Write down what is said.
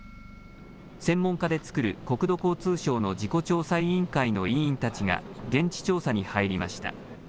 専門家で作る国土交通省の事故調査委員会の委員たちが、現地調査に入りました。